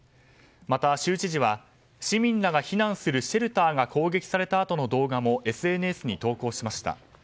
また、州知事は市民らが避難するシェルターが攻撃されたあとの動画もＳＮＳに投稿しました。